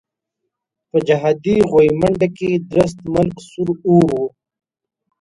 په جهادي غويمنډه کې درست ملک سور اور وو.